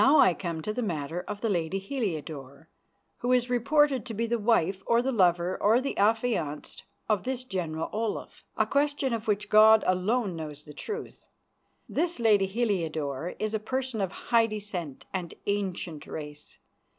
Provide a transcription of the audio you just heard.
"Now I come to the matter of the lady Heliodore, who is reported to be the wife or the lover or the affianced of this General Olaf, a question of which God alone knows the truth. This lady Heliodore is a person of high descent and ancient race.